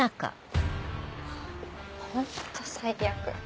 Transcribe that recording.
ハァホント最悪。